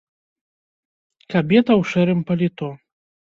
Кабета ў шэрым паліто.